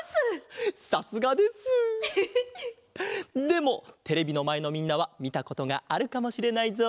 でもテレビのまえのみんなはみたことがあるかもしれないぞ。